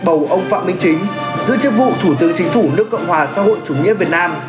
bầu ông phạm minh chính giữ chức vụ thủ tướng chính phủ nước cộng hòa xã hội chủ nghĩa việt nam